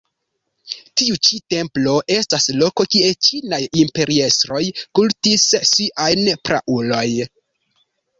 Tiu ĉi templo estas loko, kie ĉinaj imperiestroj kultis siajn praulojn.